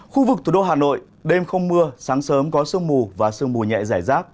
khu vực thủ đô hà nội đêm không mưa sáng sớm có sương mù và sương mù nhẹ giải rác